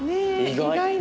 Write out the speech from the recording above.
意外。